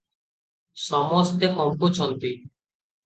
ସମସ୍ତେ କମ୍ପୁଛନ୍ତି ।